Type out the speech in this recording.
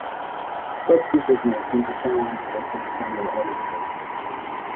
Such speakers may attempt to challenge or transform their audiences.